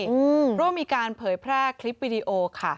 เพราะว่ามีการเผยแพร่คลิปวิดีโอค่ะ